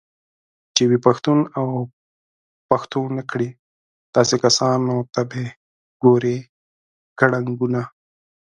چې وي پښتون اوپښتونكړي داسې كسانوته به ګورې كړنګونه